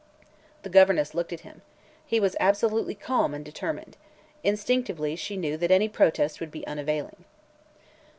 The governess looked at him. He was absolutely calm and determined. Instinctively she knew that any protest would be unavailing.